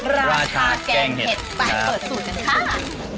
ราชาแกงเห็ดไปเปิดสูตรกันค่ะ